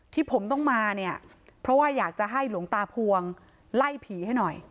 ที่ผมต้องมาเนี่ยเพราะว่าอยากจะให้หลวงตาพวงไล่ผีให้หน่อย